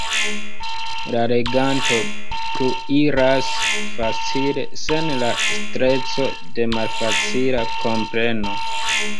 La leganto pluiras facile, sen la streĉo de malfacila kompreno.